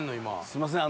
すいません